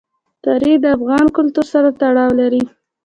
تاریخ د افغان کلتور سره تړاو لري.